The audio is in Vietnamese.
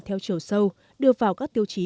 theo chiều sâu đưa vào các tiêu chí